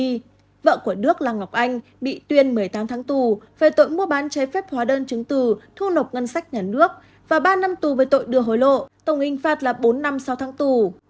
vợ chồng vợ của đức là ngọc anh bị tuyên một mươi tám tháng tù về tội mua bán chế phép hóa đơn chứng từ thu nộp ngân sách nhà nước và ba năm tù với tội đưa hối lộ tổng hình phạt là bốn năm sau tháng tù